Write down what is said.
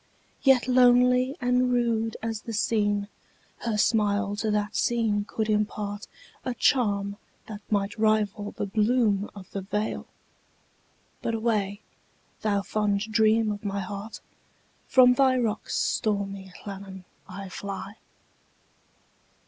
Yet lonely and rude as the scene, Her smile to that scene could impartA charm that might rival the bloom of the vale,—But away, thou fond dream of my heart! From thy rocks, stormy Llannon, I fly.